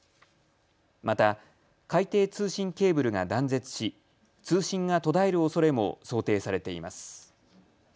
また海底通信ケーブルが断絶し通信が途絶えるおそれも想定されています。